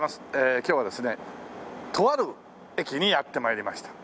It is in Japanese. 今日はですねとある駅にやって参りました。